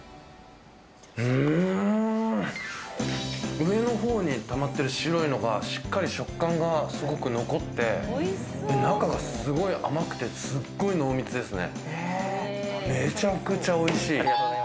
上のほうにたまってる白いのがしっかり食感がすごく残って、中がすごい甘くて、すごい濃密ですね。